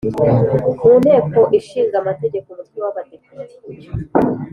mu Nteko Ishinga Amategeko Umutwe wa badepite